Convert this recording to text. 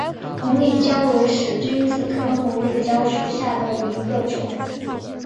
红里蕉为使君子科红里蕉属下的一个种。